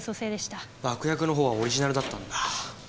爆薬の方はオリジナルだったんだ。